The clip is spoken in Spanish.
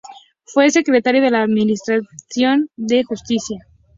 Fue secretario de la Administración de Justicia.